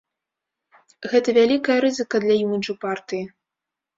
Гэта вялікая рызыка для іміджу партыі.